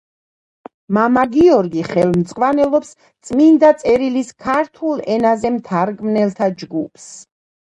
მამა გიორგი ხელმძღვანელობს წმიდა წერილის ქართულ ენაზე მთარგმნელთა ჯგუფს.